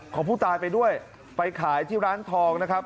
ของผู้ตายไปด้วยไปขายที่ร้านทองนะครับ